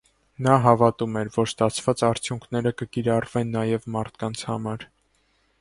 Նա հավատում էր, որ ստացված արդյունքերը կկիրառվեն նաև մարդկանց համար։